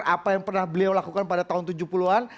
apa yang pernah beliau lakukan pada tahun tujuh puluh an